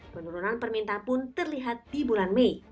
penurunan permintaan pun terlihat di bulan mei